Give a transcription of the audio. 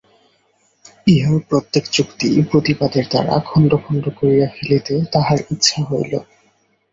ইহার প্রত্যেক যুক্তি প্রতিবাদের দ্বারা খণ্ড খণ্ড করিয়া ফেলিতে তাহার ইচ্ছা হইল।